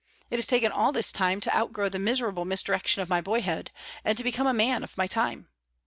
It has taken all this time to outgrow the miserable misdirection of my boyhood, and to become a man of my time.